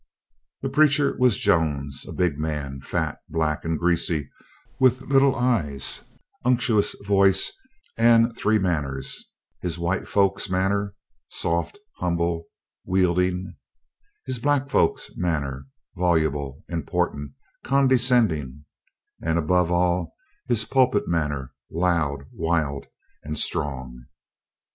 The preacher was Jones, a big man, fat, black, and greasy, with little eyes, unctuous voice, and three manners: his white folks manner, soft, humble, wheedling; his black folks manner, voluble, important, condescending; and above all, his pulpit manner, loud, wild, and strong.